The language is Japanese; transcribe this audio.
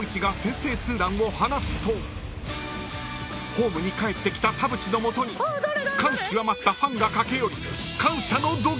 ［ホームにかえってきた田淵の元に感極まったファンが駆け寄り］